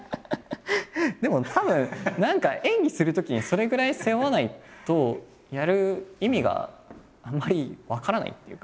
でもたぶん何か演技するときにそれぐらい背負わないとやる意味があんまり分からないっていうか。